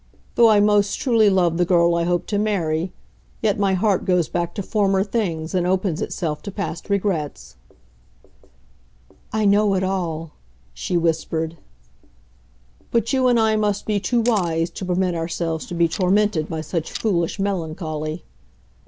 Though I most truly love the girl I hope to marry, yet my heart goes back to former things and opens itself to past regrets." "I know it all," she whispered. "But you and I must be too wise to permit ourselves to be tormented by such foolish melancholy."